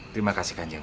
terima kasih kanjeng